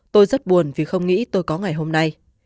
tôi rất buồn vì không nghĩ tôi có ngày hôm nay